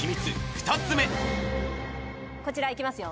２つ目こちらいきますよ